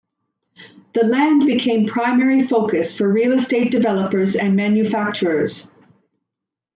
The land became a primary focus for real-estate developers and manufacturers.